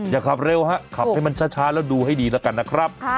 อย่าขับเร็วฮะขับให้มันช้าแล้วดูให้ดีแล้วกันนะครับ